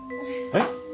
えっ！？